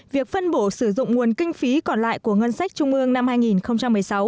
việc phân bổ sử dụng nguồn kinh phí còn lại của ngân sách trung ương năm hai nghìn một mươi sáu